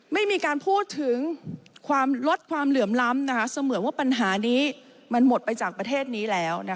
ไม่มีการพูดถึงความลดความเหลื่อมล้ำเสมือนว่าปัญหานี้มันหมดไปจากประเทศนี้แล้ว